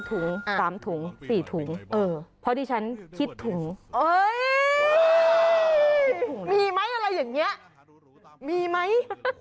ถูกไหมเด็กกินใช่ไหม